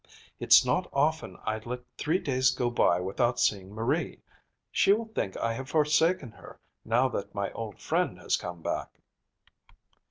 "It's not often I let three days go by without seeing Marie. She will think I have forsaken her, now that my old friend has come back."